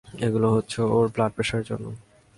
এগুলো হচ্ছে ওর ব্লাড প্রেশারের জন্য!